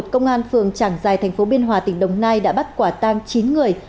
công an phường trảng giải tp biên hòa tỉnh đồng nai đã bắt quả tang chín người